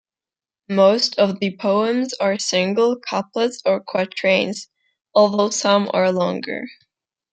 Most of the poems are single couplets or quatrains, although some are longer.